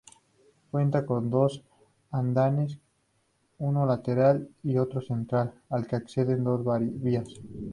Cuenta con dos andenes, uno lateral y otro central, al que acceden dos vías.